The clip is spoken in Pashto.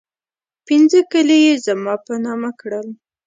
پنځه کلي یې زما په نامه کړل.